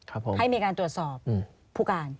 ครับผมให้มีการตรวจสอบผู้การ